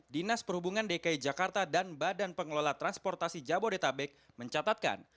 dinas perhubungan dki jakarta dan badan pengelola transportasi jabodetabek mencatatkan